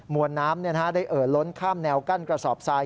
วนน้ำได้เอ่อล้นข้ามแนวกั้นกระสอบทราย